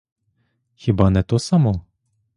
Хіба не то само?